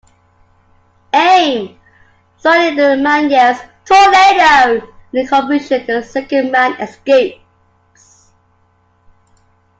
Aim!" Suddenly the man yells, "Tornado!" In the confusion, the second man escapes.